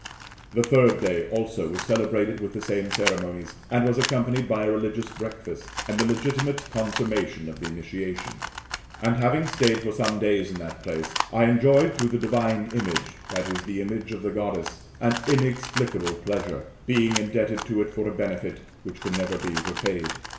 The third day also was celebrated with the same ceremonies, and was accompanied by, a religious breakfast, and the legitimate consummation of the initiation. And having staid for some days in that place, I enjoyed through the divine image \te, the image of the Goddess] an inexplicable pleasure; being indebted to it for a benefit which can never be repaid.